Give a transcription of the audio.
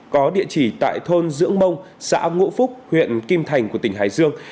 có địa chỉ tại thôn dưỡng mông xã ngũ phúc huyện kim thành của tỉnh hải dương